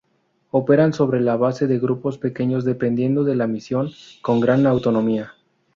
Operan sobre la base de grupos pequeños, dependiendo de la misión, con gran autonomía.